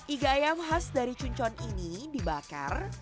iga ayam khas dari cuncon ini dibakar